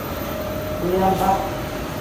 Buyam baxt!..